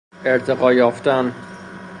ارتقا یافتن